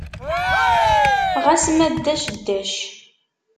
Ɣas ma ddac ddac.